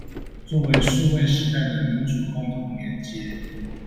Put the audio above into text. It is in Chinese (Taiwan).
作為數位時代的民主共同連結